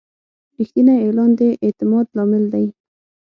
رښتینی اعلان د اعتماد لامل دی.